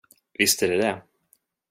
Visst är det det.